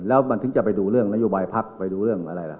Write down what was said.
แล้วมันถึงจะไปดูเรื่องนโยบายพักไปดูเรื่องอะไรล่ะ